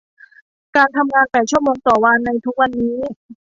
การทำงานแปดชั่วโมงต่อวันในทุกวันนี้